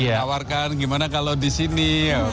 menawarkan gimana kalau disini